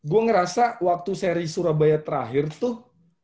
gue ngerasa waktu seri surabaya terakhir tuh